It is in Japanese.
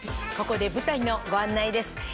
ここで舞台のご案内です。